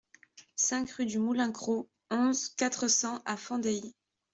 cinq rue du Moulin Cros, onze, quatre cents à Fendeille